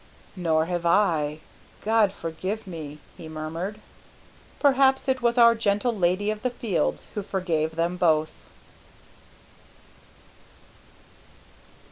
"Nor have I, God forgive me," he murmured. Perhaps it was our gentle Lady of the Fields who forgave them both.